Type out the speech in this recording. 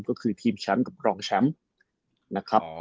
ก็คือทีมชั้นกับรองชั้น